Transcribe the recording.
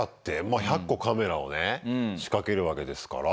まあ１００個カメラをね仕掛けるわけですから。